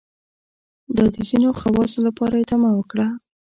دا د ځینو خواصو لپاره ادامه وکړه.